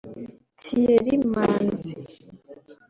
Thierry Manzi